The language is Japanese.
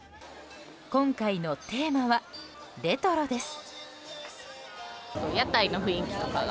今回のテーマは、レトロです。